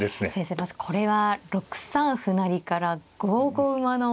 先生これは６三歩成から５五馬の。